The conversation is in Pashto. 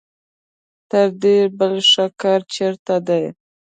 تر دې بل ښه کار چېرته دی.